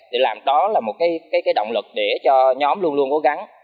để làm đó là một cái động lực để cho nhóm luôn luôn cố gắng